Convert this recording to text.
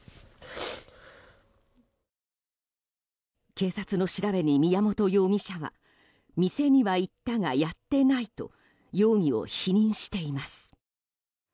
警察の調べに宮本容疑者は店には行ったが、やってないと容疑を否認しています。